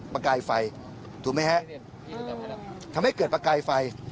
ประกายไฟถูกไหมฮะทำให้เกิดประกายไฟ